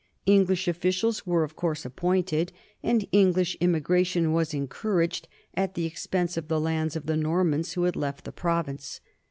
English offi cials were, of course, appointed, and English immigra tion was encouraged at the expense of the lands of the Normans who had left the province.